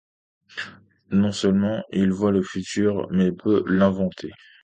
Non seulement il voit le futur, mais peut l'inventer.